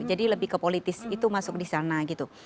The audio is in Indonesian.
jadi lebih ke politis itu masuk di sana gitu